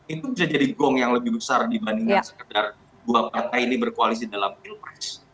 itu bisa jadi gong yang lebih besar dibandingkan sekedar dua partai ini berkoalisi dalam pilpres